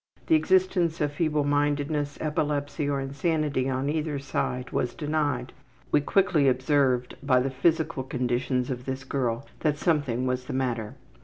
The existence of feeblemindedness, epilepsy, or insanity on either side was denied. We quickly observed by the physical conditions of this girl that something was the matter.